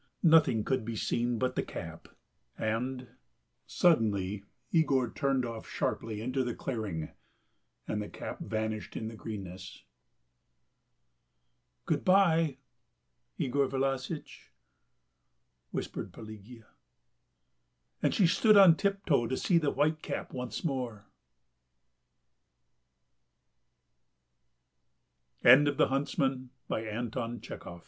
Nothing could be seen but the cap, and... suddenly Yegor turned off sharply into the clearing and the cap vanished in the greenness. "Good bye, Yegor Vlassitch," whispered Pelagea, and she stood on tiptoe to see the white cap once m